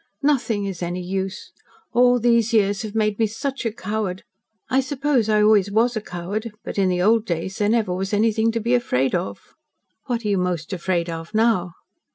"Nothing is any use. All these years have made me such a coward. I suppose I always was a coward, but in the old days there never was anything to be afraid of." "What are you most afraid of now?"